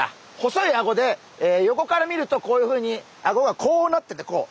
細いアゴで横から見るとこういうふうにアゴがこうなっててこう。